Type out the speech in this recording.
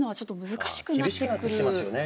厳しくなってきてますよね。